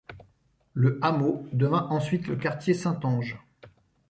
Le hameau devint ensuite le quartier Saint-Ange.